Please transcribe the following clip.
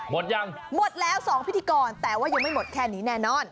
หมดยังหมดแล้ว๒พิธีกรแต่ว่ายังไม่หมดแค่นี้แน่นอน